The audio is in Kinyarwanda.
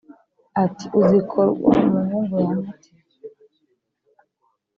ati"uzikowa muhungu yankatiye?"